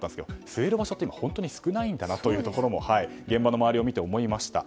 吸える場所って今、本当に少ないんだなということを現場の周りを見て思いました。